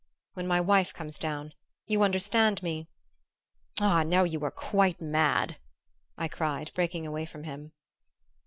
"When my wife comes down. You understand me." "Ah, now you are quite mad!" I cried breaking away from him.